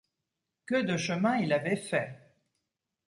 Que de chemin il avait fait !